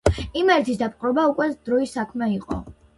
იმერეთის დაპყრობა უკვე დროის საქმე იყო.